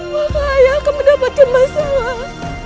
maka ayah akan mendapatkan masalah